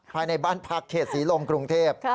ใบบ้านพรรคเขจสีโลงกรุงเทพ